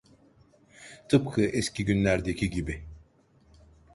Tıpkı eski günlerdeki gibi.